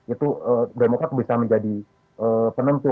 itu demokrat bisa menjadi penentu